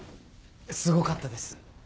すごかったです。